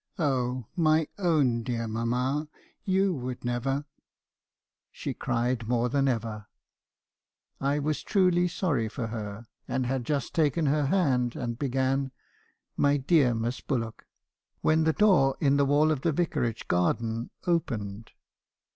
Oh, my own dear mamma, you would never —' "She cried more than ever. I was truly sorry for her, and had just taken her hand, and began — 'My dear Miss Bul lock —' when the door in the wall of the Vicarage garden opened.